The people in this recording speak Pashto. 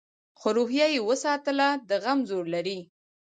خو روحیه یې وساتله؛ د غم زور لري.